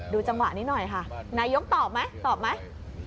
จังหวะนี้หน่อยค่ะนายกตอบไหมตอบไหม